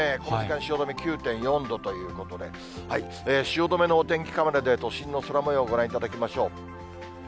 この時間、汐留９．４度ということで、汐留のお天気カメラで、都心の空もようをご覧いただきましょう。